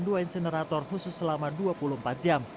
dua insenerator khusus selama dua puluh empat jam